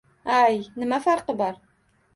Ay, nima farqi bor?